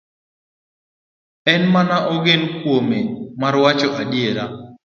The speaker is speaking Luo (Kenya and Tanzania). En mane ogen kuome mar wacho adiera.